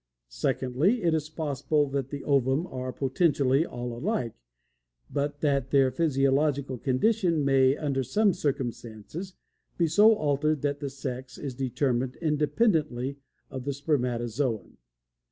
Secondly, it is possible that the ova are potentially all alike, but that their physiological condition may under some circumstances be so altered that the sex is determined independently of the spermatozoon.